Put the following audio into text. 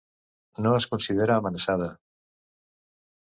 No es considera amenaçada.